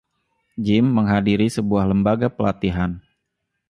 Jim menghadiri sebuah lembaga pelatihan.